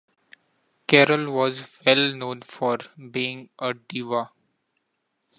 Carol was well-known for being a diva.